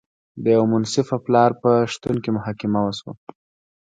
د یوه منصفه پلاوي په شتون کې محاکمه وشوه.